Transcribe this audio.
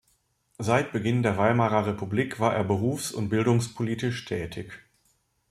Seit Beginn der Weimarer Republik war er berufs- und bildungspolitisch tätig.